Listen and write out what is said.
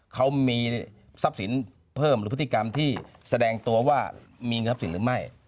เขามีทรัพย์สินเพิ่มหรือพฤติกรรมที่แสดงตัวว่ามีเงินทรัพย์สินหรือไม่